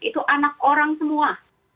itu anak orang semua